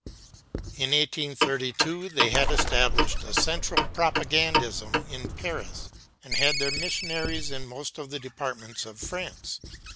In 1832 they had established a central propagandism in Paris, and had their missionaries in most of the departments of France.